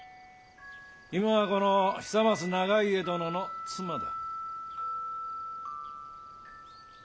今はこの久松長家殿の妻だ。